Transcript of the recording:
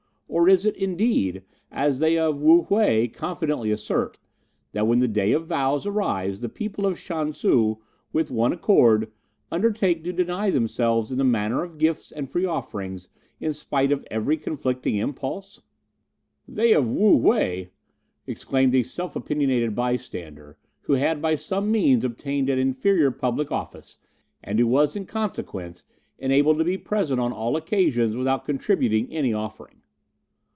or is it, indeed as they of Wu whei confidently assert that when the Day of Vows arrives the people of Shan Tzu, with one accord, undertake to deny themselves in the matter of gifts and free offerings, in spite of every conflicting impulse?" "They of Wu whei!" exclaimed a self opinionated bystander, who had by some means obtained an inferior public office, and who was, in consequence, enabled to be present on all occasions without contributing any offering.